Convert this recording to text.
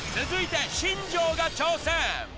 続いて新庄が挑戦。